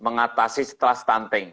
mengatasi setelah stunting